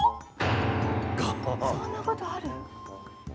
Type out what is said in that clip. そんなことある？